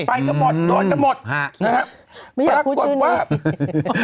ไปก็หมดโดนก็หมดครับมันอยากพูดชื่นเหลือ